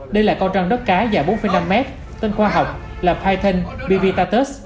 đây là con trăng đất cá dài bốn năm m tên khoa học là python bivitatus